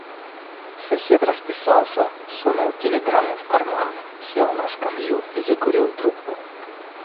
Сосед расписался, сунул телеграмму в карман, сел на скамью и закурил трубку.